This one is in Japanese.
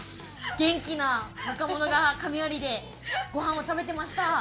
元気な若者が、亀有でご飯を食べていました。